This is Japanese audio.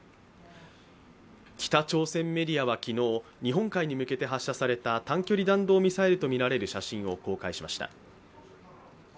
北朝鮮メディアは昨日日本海に向けて発射された短距離弾道ミサイルとみられる写真を公開しました。